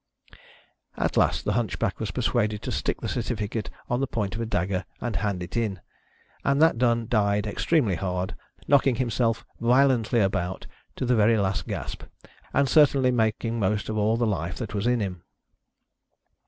At last the Hunchback was persuaded to stick the certificate on the point of a dagger, and hand it in ; and that done, died ex tremely hard, knocking himself violently about, to the very last gasp, and certainly making the most of all the life that was in him.